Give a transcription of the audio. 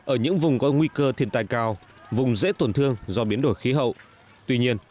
ở những vùng có nguy cơ thiên tai cao vùng dễ tổn thương do biến đổi khí hậu tuy nhiên